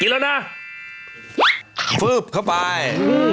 อร่อย